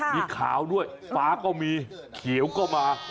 มีขาวด้วยฟ้าก็มีเขียวก็มา